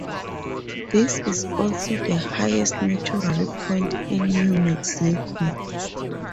This is also the highest natural point in New Mexico.